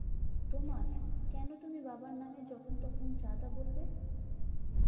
তোমার, কেন তুমি বাবার নামে যখন তখন যা তা বলবে?